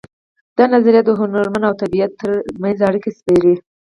دا نظریه د هنرمن او طبیعت ترمنځ اړیکه سپړي